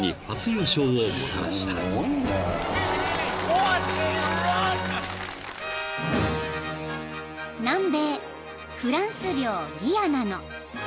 ［南米フランス領ギアナの］